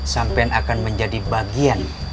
sampe akan menjadi bagian